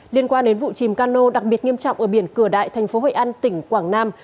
liên quan đến vụ chìm cano đặc biệt nghiêm trọng ở biển cửa đại thành phố hội an tỉnh quảng nam